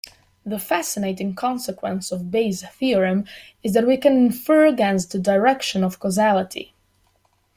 The fascinating consequence of Bayes' theorem is that we can infer against the direction of causality.